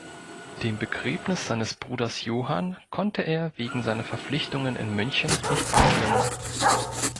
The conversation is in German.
Dem Begräbnis seines Bruders Johann konnte er wegen seiner Verpflichtungen in München nicht beiwohnen.